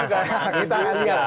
kita akan lihat